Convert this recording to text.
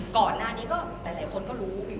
ก่อนหน้านี้ก็หลายคนก็รู้